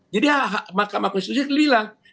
jadi mahkamah koinstitusi itu hilang